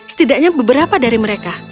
setidaknya beberapa dari mereka